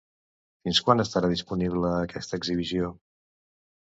Fins quan estarà disponible aquesta exhibició?